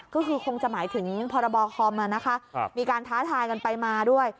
ก็คือคงจะหมายถึงพรบคอมมีการท้าทายกันไปมาด้วย